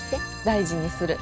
大事にする。